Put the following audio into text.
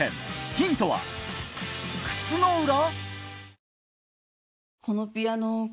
ヒントは靴の裏？